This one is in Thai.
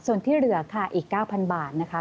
ส่วนที่เหลือค่ะอีก๙๐๐บาทนะคะ